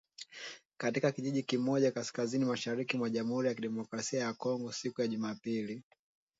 Katika kijiji kimoja kaskazini-mashariki mwa Jamhuri ya Kidemokrasia ya Kongo siku ya Jumapili.